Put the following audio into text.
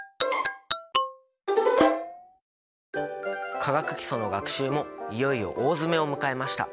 化学基礎の学習もいよいよ大詰めを迎えました。